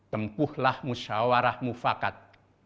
tempuhlah musyawarah mufakat